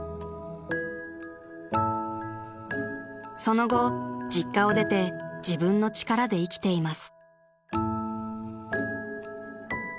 ［その後実家を出て自分の力で生きています］